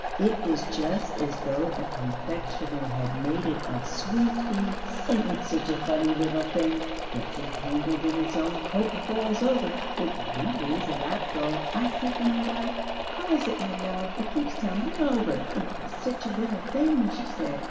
It is just as though a confectioner had made it of sweet meats. And it's such a funny little thing gets entangled in its own coat and falls over. It really is a lapdog! I said to my wife: 'How is it, my love, it keeps tumbling over?' 'It is such a little thing,' she said.